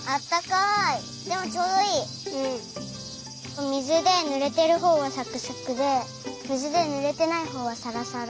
お水でぬれてるほうがサクサクで水でぬれてないほうはサラサラ。